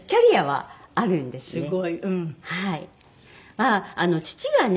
まあ父がね